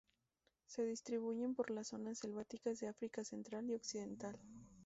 Se distribuyen por las zonas selváticas del África central y occidental.